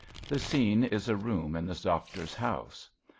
The scene is a room in the doctor's house.